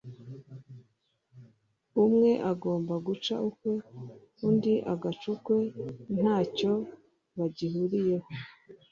umwe agomba guca ukwe, undi agaca ukwe, nta cyo bagihuriyeho